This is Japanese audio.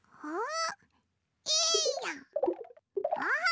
あ。